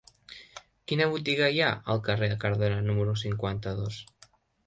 Quina botiga hi ha al carrer de Cardona número cinquanta-dos?